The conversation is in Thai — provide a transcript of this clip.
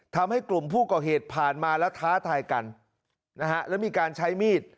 ทำให้กลุ่มผู้ก่อเหตุผ่านมาแล้วท้าทายกันนะฮะแล้วมีการใช้มีด